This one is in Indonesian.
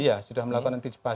iya sudah melakukan antisipasi